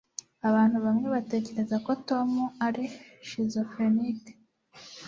abantu bamwe batekereza ko tom ari schizofrenic